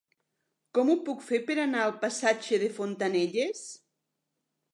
Com ho puc fer per anar al passatge de Fontanelles?